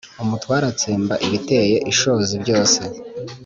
umutware atsemba ibiteye ishozi byose